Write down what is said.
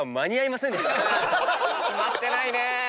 キマってないね！